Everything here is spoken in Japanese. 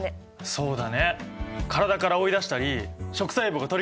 そうだね。